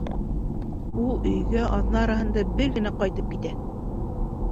Ул өйгә аҙна араһында бер генә ҡайтып китә.